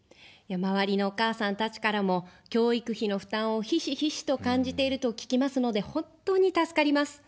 周りのお母さんたちからも、教育費の負担をひしひしと感じていると聞きますので、本当に助かります。